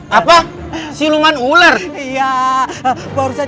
ngapain harus gua bursted